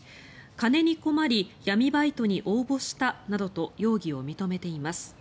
金に困り闇バイトに応募したなどと容疑を認めています。